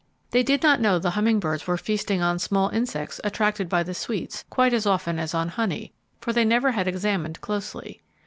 They did not know the humming birds were feasting on small insects attracted by the sweets, quite as often as on honey, for they never had examined closely.